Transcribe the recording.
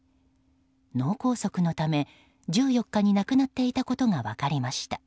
脳梗塞のため１４日に亡くなっていたことが分かりました。